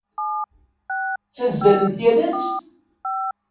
Ttazzalent yal ass?